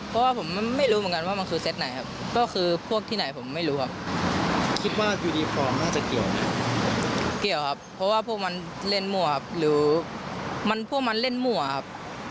แบบเจอซงไปรีบขี่รถกันเอาหมดหรือครับ